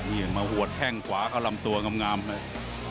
มาหัวแข้งขวาเข้าลำตัวงามเลย